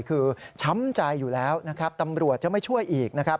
คือช้ำใจอยู่แล้วตำรวจจะไม่ช่วยอีก